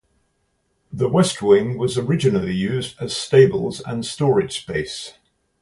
The west wing was originally used as stables and storage space.